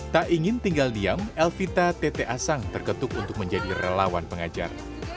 tak ingin tinggal diam elvita tete asang terketuk untuk menjadi relawan pengajar